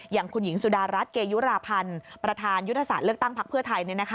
อย่างคุณหญิงสุดารัฐเกยุราพันธ์ประธานยุทธศาสตร์เลือกตั้งพักเพื่อไทย